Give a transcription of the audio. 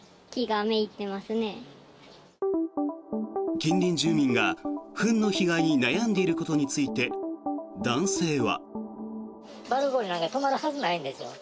近隣住民がフンの被害に悩んでいることについて男性は。